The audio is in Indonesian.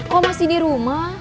kok masih di rumah